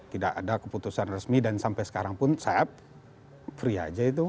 tidak ada keputusan resmi dan sampai sekarang pun saya free aja itu